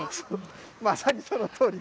まさにそのとおり。